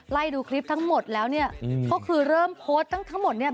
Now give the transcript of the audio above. ไล่ดูคลิปทั้งหมดแล้วเนี่ยก็คือเริ่มโพสต์ตั้งทั้งหมดเนี่ย